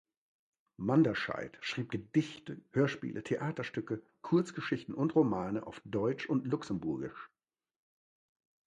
Manderscheid schrieb Gedichte, Hörspiele, Theaterstücke, Kurzgeschichten und Romane auf Deutsch und Luxemburgisch.